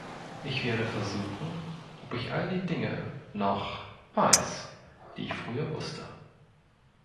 Ich werde versuchen, ob ich all die Dinge (noch) weiß, die ich früher wusste.